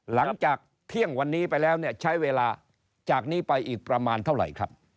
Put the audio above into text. หลังจากเที่ยงวันนี้ไปแล้วเนี่ยใช้เวลาจากนี้ไปอีกประมาณเท่าไหร่ครับ